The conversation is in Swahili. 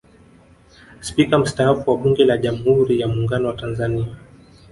Spika mstaafu wa Bunge la Jamhuri ya Muungano wa Tanzania